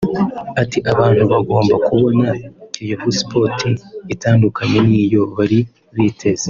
Ati “Abantu bagomba kubona Kiyovu Sports itandukanye n’iyo bari biteze